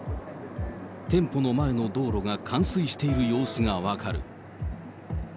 店舗の前の道路が冠水している様子が分かる。